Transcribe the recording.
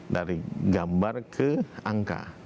dari gambar ke angka